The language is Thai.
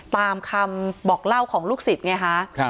ตามคำบอกเล่าของลูกศิษย์ไงคะ